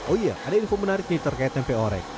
oh iya ada info menarik nih terkait tempe orek